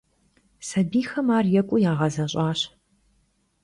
Sabiyxem ar yêk'uuu yağezeş'aş.